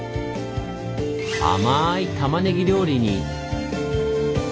甘いたまねぎ料理に。